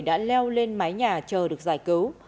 đã leo lên mái nhà chờ được giải cứu